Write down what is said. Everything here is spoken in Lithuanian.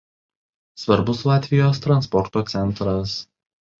Svarbus Latvijos transporto centras.